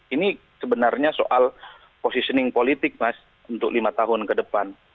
ini sebenarnya soal positioning politik mas untuk lima tahun ke depan